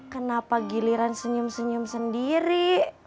kenapa giliran senyum senyum sendiri